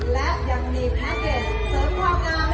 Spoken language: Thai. และยังมีแพ็กเก็ตเสริมพร้อมงานนะคะ